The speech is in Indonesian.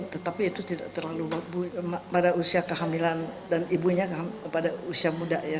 tetapi itu tidak terlalu pada usia kehamilan dan ibunya pada usia muda ya